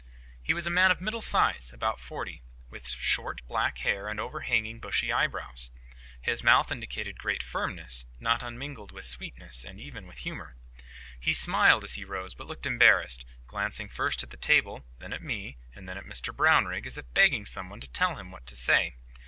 He was a man of middle size, about forty, with short black hair and overhanging bushy eyebrows. His mouth indicated great firmness, not unmingled with sweetness, and even with humour. He smiled as he rose, but looked embarrassed, glancing first at the table, then at me, and then at Mr Brownrigg, as if begging somebody to tell him what to say.